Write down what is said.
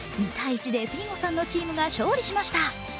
２−１でフィーゴさんのチームが勝利しました。